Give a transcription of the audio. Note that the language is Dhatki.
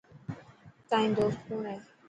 تائن دوست ڪوڻ هي.